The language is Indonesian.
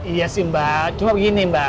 iya sih mba cuma begini mba